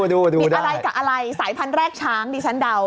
ผิดอะไรกับอะไรสายพันธุ์แรกช้างดิฉันเดา